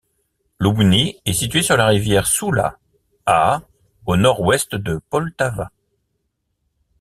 Loubny est située sur la rivière Soula, à au nord-ouest de Poltava.